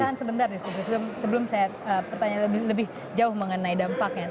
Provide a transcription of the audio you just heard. tahan sebentar sebelum saya pertanyaan lebih jauh mengenai dampaknya